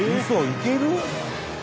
いける？」